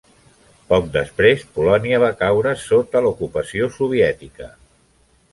Poc després Polònia va caure sota l'ocupació soviètica.